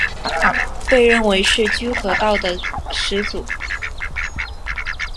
被认为是居合道的始祖。